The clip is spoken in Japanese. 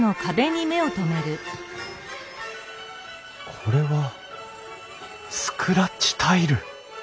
これはスクラッチタイル！